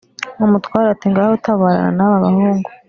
umutware ati"ngaho tabarana naba bahungu